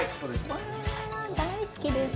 わ大好きです。